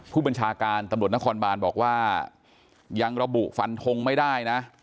ผู้บัญชาการตำรวจนครบานบอกว่ายังระบุฟันทงไม่ได้นะ